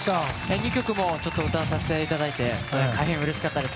２曲も歌わさせていただいて大変うれしかったです。